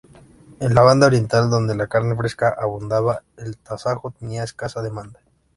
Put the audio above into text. En la Banda Oriental, donde la carne fresca abundaba, el tasajo tenía escasa demanda.